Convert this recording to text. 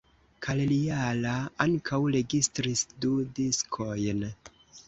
Kalliala ankaŭ registris du diskojn.